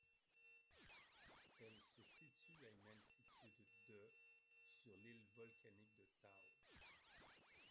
Elle se situe à une altitude de sur l'île volcanique de Ta'u.